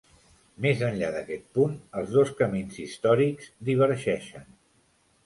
Més enllà d'aquest punt, els dos camins històrics divergeixen.